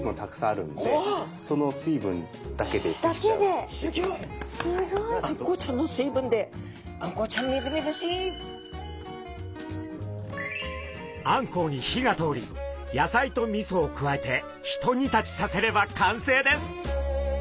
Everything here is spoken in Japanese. あんこうちゃんあんこうに火が通り野菜とみそを加えてひと煮立ちさせれば完成です。